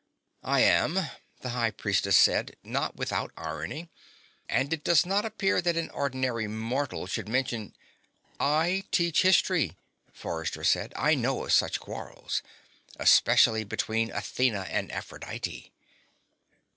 "I am," the High Priestess said, not without irony. "And it does not appear seemly that an ordinary mortal should mention " "I teach History," Forrester said. "I know of such quarrels. Especially between Athena and Aphrodite."